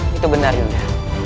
itu benar yunda